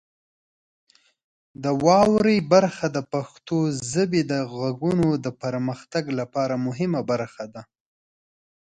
د واورئ برخه د پښتو ژبې د غږونو د پرمختګ لپاره مهمه برخه ده.